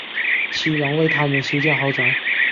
齐王为他们修建豪宅。